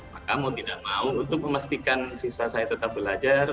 maka mau tidak mau untuk memastikan siswa saya tetap belajar